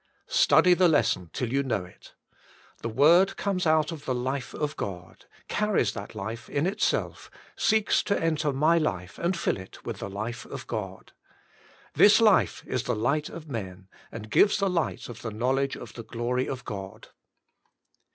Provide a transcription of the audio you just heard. Study the lesson till you know it. The word comes out of the life of God, carries that life in itself, seeks to enter my life and fill it with the life of God. This life is the light of men, and gives the light of the knowledge of the glory of God.